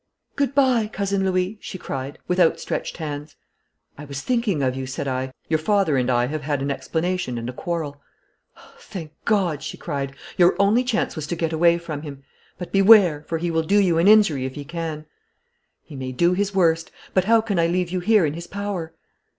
'Good bye, Cousin Louis,' she cried, with outstretched hands. 'I was thinking of you,' said I; 'your father and I have had an explanation and a quarrel.' 'Thank God!' she cried. 'Your only chance was to get away from him. But beware, for he will do you an injury if he can!' 'He may do his worst; but how can I leave you here in his power?'